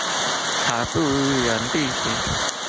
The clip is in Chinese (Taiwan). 才不誤人子弟